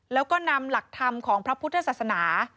แล้วก็นำหลักธรรมของพระพุทธศาสนา